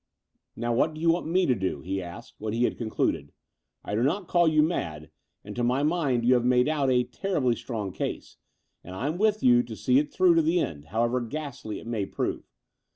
"Now what do you want me to do?" he asked, when he had concluded. "I do not call you mad, and to my mind you have made out a terribly strong case: and I'm with you to see it through to the end, however ghastly it may prove.